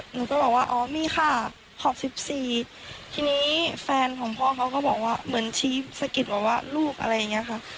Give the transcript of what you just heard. หนูก็บอกว่าอ๋อมีค่ะ๖๔ทีนี้แฟนของพ่อเขาก็บอกว่าเหมือนชี้สะกิดบอกว่าลูกอะไรอย่างนี้ค่ะ